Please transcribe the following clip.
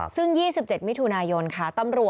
ซึ่ง๒๗มิถุนายนค่ะ